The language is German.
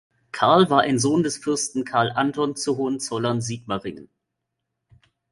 Karl war ein Sohn des Fürsten Karl Anton zu Hohenzollern-Sigmaringen.